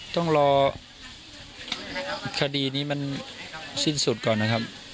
ต้องรอคดีนี้มันสิ้นสุดก่อนนะครับ